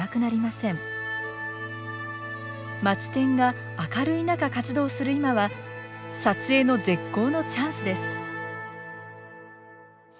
マツテンが明るい中活動する今は撮影の絶好のチャンスです。